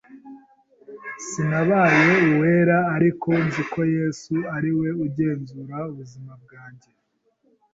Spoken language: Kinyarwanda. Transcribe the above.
Sinabaye uwera ariko nziko Yesu ariwe ugenzura ubuzima bwanjye.